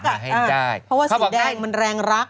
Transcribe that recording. เพราะว่าสีแดงมันแรงรัก